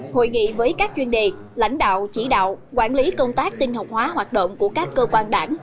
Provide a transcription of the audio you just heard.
hội nghị với các chuyên đề lãnh đạo chỉ đạo quản lý công tác tinh học hóa hoạt động của các cơ quan đảng